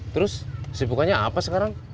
terus sibukannya apa sekarang